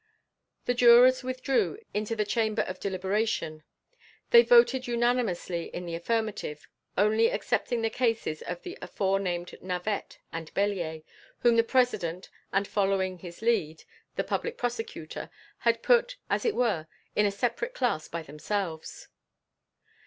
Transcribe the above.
The jurors withdrew into the chamber of deliberation. They voted unanimously in the affirmative, only excepting the cases of the afore named Navette and Bellier, whom the President, and following his lead, the Public Prosecutor, had put, as it were, in a separate class by themselves.